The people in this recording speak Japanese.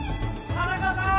田中さーん